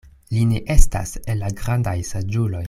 Li ne estas el la grandaj saĝuloj.